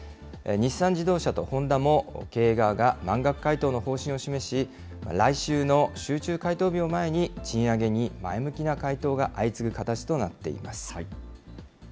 日産自動車とホンダも、経営側が満額回答の方針を示し、来週の集中回答日を前に、賃上げに前向きな回答が相次ぐ形となっています。